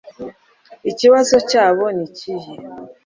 ikibazo cyabo ni ikihe